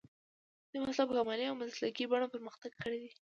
دې مسلک په عملي او مسلکي بڼه پرمختګ کړی دی.